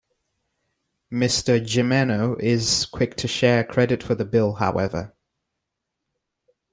Mr. Jimeno is quick to share credit for the bill, however.